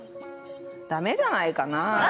だめじゃないかな。